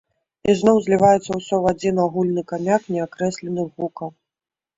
І зноў зліваецца ўсё ў адзін агульны камяк неакрэсленых гукаў.